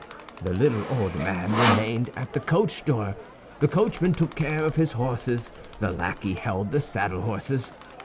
The little old man remained at the coach door; the coachman took care of his horses, the lackey held the saddlehorses.